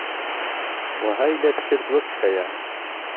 وەهای لەت کرد وهک خهیار